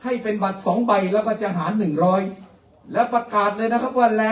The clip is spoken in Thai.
ให้เป็นบัตรสองใบแล้วก็จะหารหนึ่งร้อยแล้วประกาศเลยนะครับว่า